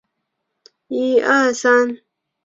其父按浑察至顺元年薨。